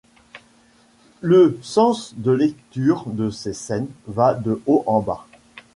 Le sens de lecture de ces scènes va de haut en bas.